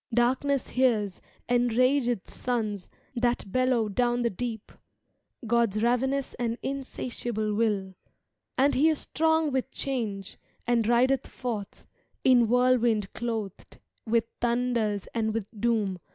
Darkness hears Enrag^ suns that bellow down the deep — God's ravenous and insatiable will; And He is strong with change, and rideth forth. In whirlwind clothed, with thunders and with doom.